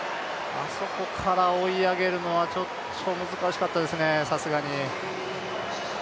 あそこから追い上げるのは、ちょっと難しかったですね、さすがに。